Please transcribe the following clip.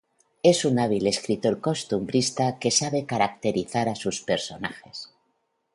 Es un hábil escritor costumbrista que sabe caracterizar a sus personajes.